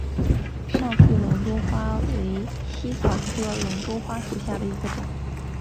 上思龙船花为茜草科龙船花属下的一个种。